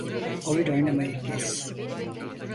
Oyun oynamayı kes.